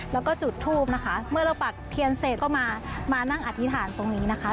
แล้วก็จุดทูบนะคะเมื่อเราปักเทียนเสร็จก็มามานั่งอธิษฐานตรงนี้นะคะ